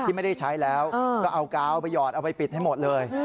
ไม่ได้ใช้แล้วก็เอากาวไปหยอดเอาไปปิดให้หมดเลย